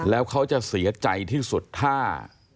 แล้วเขาจะเสียใจที่สุดถ้า